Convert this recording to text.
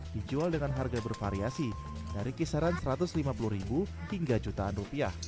dijual dengan harga bervariasi dari kisaran rp satu ratus lima puluh hingga jutaan rupiah